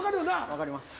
分かります。